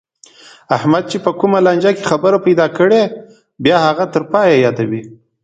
احمد چې په کومه لانجه کې خبره پیدا کړي، بیا هماغه تر پایه یادوي.